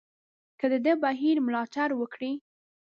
که د دې بهیر ملاتړ وکړي.